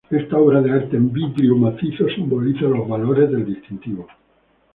Esta obra de arte en vidrio macizo simboliza los valores del distintivo.